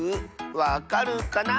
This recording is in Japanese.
わかるかな？